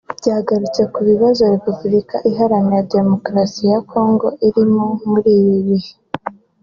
byagarutse ku bibazo Repubulika Iharanira Demokarasi ya Congo irimo muri ibi bihe